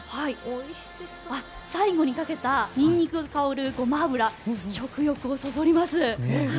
最後にかけたニンニクが香るごま油食欲をそそります。